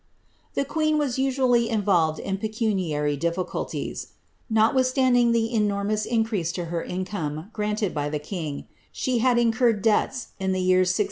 The queen was usually involved in pecuniary difficulties. Notwith standing the enormous increase to her income, granted by the kini^, she had incurred debts in the years 1613 and 1 614.